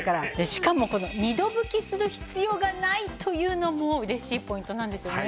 しかも２度拭きする必要がないというのもうれしいポイントなんですよね。